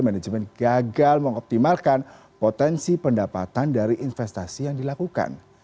manajemen gagal mengoptimalkan potensi pendapatan dari investasi yang dilakukan